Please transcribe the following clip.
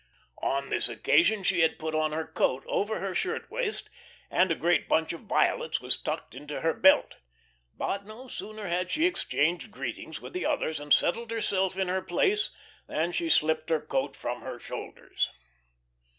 On this occasion she had put on her coat over her shirt waist, and a great bunch of violets was tucked into her belt. But no sooner had she exchanged greetings with the others and settled herself in her place than she slipped her coat from her shoulders.